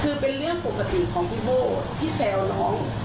คือเป็นเรื่องปกติของพี่โบ้ที่แซวน้อง